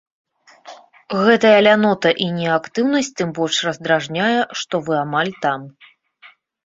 Гэтая лянота і неактыўнасць тым больш раздражняе, што вы амаль там.